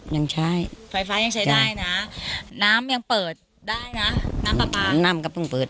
ยังใช้ไฟฟ้ายังใช้ได้นะน้ำยังเปิดได้นะน้ำปลาปลาน้ำก็เพิ่งเปิด